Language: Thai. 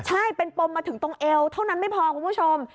ใช่เป็นปมมาถึงตรงเอวเท่านั้นไม่พอคุณผู้ชม